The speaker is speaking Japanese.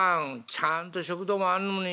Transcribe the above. ちゃんと食堂もあんのに。